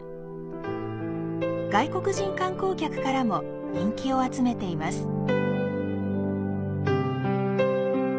外国人観光客からも人気を集めています。